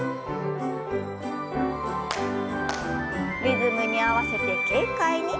リズムに合わせて軽快に。